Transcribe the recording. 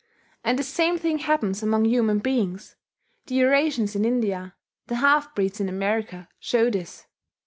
And the same thing happens among human beings the Eurasians in India, the half breeds in America, show this.